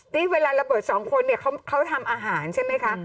นี่เวลาระเบิดสองคนเนี่ยเขาทำอาหารใช่ไหมคะ